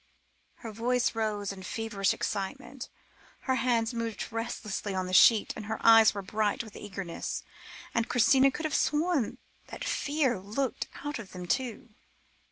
Her voice rose in feverish excitement, her hands moved restlessly on the sheet, her eyes were bright with eagerness, and Christina could have sworn that fear looked out of them, too.